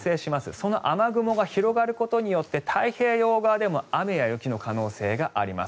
その雨雲が広がることによって太平洋側でも雨や雪の可能性があります。